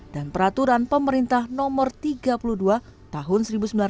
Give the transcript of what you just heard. dan peraturan pemerintah nomor tiga puluh dua tahun seribu sembilan ratus sembilan puluh sembilan